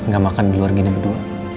gak makan di luar gini berdua